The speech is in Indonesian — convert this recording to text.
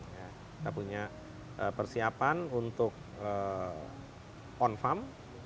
kita punya persiapan untuk on farm